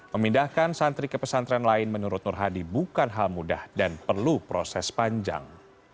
memindahkan santri ke pesantren lain menurut nur hadi bukan hal mudah dan perlu proses panjang